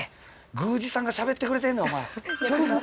宮司さんがしゃべってくれてんねんお前。